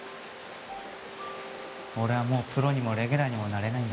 俺はもうプロにもレギュラーにもなれないんだなって。